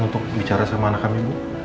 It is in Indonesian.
untuk bicara sama anak kami ibu